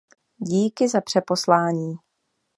Díky za přeposlání.